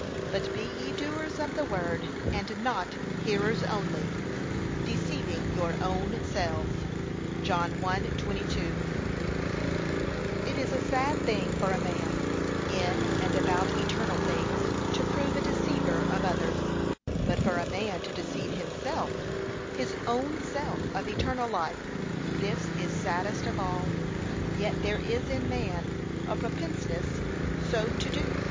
'But be ye doers of the word, and not hearers only, deceiving your ownselves.' (John 1:22) It is a sad thing for a man, in and about eternal things, to prove a deceiver of others; but for a man to deceive himself, his ownself of eternal life, this is saddest of all; yet there is in man a propenseness so to do.